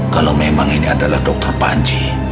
kalau memang ini adalah dokter panji